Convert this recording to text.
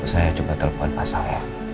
saya coba telfon pak sal ya